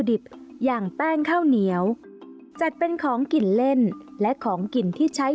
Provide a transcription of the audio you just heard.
ดิบอย่างแป้งข้าวเหนียวจัดเป็นของกินเล่นและของกินที่ใช้